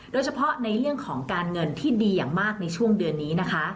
โดยเฉพาะในเรื่องของการเงินที่ดีอย่างมากในช่วงเดือนนี้นะคะ